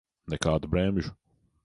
Nekādu bremžu.